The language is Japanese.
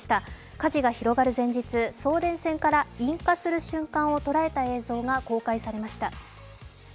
火事が広がる前日、送電線から引火する瞬間を捉えた映像が公開されました。